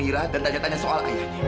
itu dari masa generator